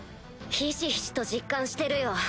ひしひしと実感してるよ。